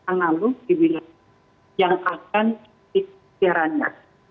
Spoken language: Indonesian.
analog di wilayah yang akan di siarannya